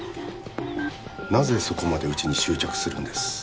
なぜそこまでうちに執着するんです？